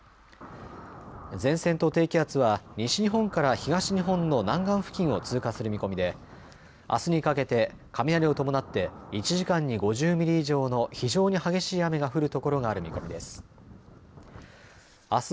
前線と低気圧は西日本から東日本の南岸付近を通過する見込みであすにかけて雷を伴って１時間に５０ミリ以上の非常に激しい雨が降るところがある見込みです。